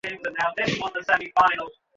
তদন্তকাজে মাথা ঘাঁটাও।